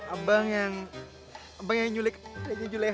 abang yang abang yang nyulik adiknya juleha